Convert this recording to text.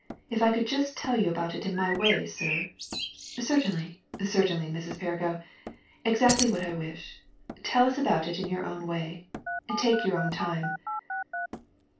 If I could just tell you about it in my way, sir " "Certainly certainly, Mrs. Perrigo! Exactly what I wish. Tell us all about it in your own way. Take your own time."